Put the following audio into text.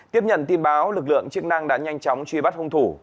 tiếp nhận tin báo lực lượng chức năng đã nhanh chóng truy bắt hung thủ